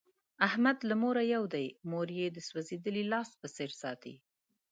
احمد له موره یو دی، مور یې د سوزېدلي لاس په څیر ساتي.